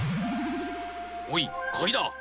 おいかぎだ！